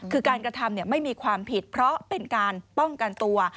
คือการกระทำไม่มีความผิดเพราะเป็นการป้องกันตัว